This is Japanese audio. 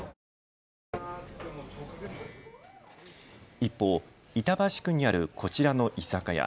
一方、板橋区にあるこちらの居酒屋。